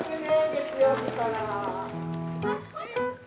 月曜日から。